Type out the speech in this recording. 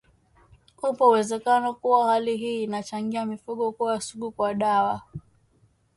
upo uwezekano kuwa hali hii inachangia mifugo kuwa sugu kwa dawa